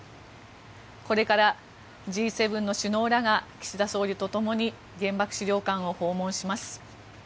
これからＧ７の首脳らが岸田総理とともに原爆資料館を訪問します。